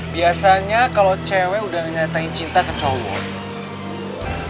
biasanya kalau cewek udah nyatain cinta ke cowok